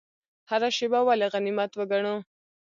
هره شیبه ولې غنیمت وګڼو؟